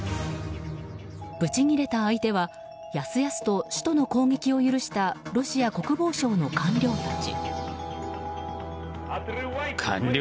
ぶちぎれた相手はやすやすと首都の攻撃を許したロシア国防省の官僚たち。